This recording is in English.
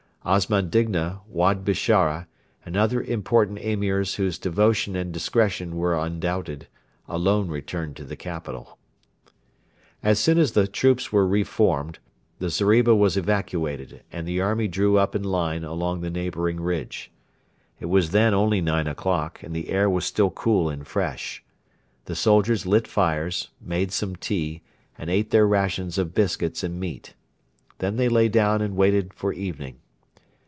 Osman Digna, Wad Bishara, and other important Emirs whose devotion and discretion were undoubted, alone returned to the capital. As soon as the troops were re formed, the zeriba was evacuated and the army drew up in line along the neighbouring ridge. It was then only nine o'clock, and the air was still cool and fresh. The soldiers lit fires, made some tea, and ate their rations of biscuits and meat. Then they lay down and waited for evening.